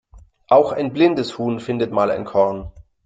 Auch ein blindes Huhn findet mal ein Korn.